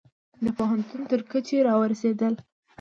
د پوهنتون تر کچې را ورسیدل